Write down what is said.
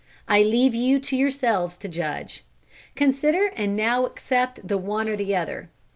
I leave you to yourselves to judge. Consider and now accept the one or the other.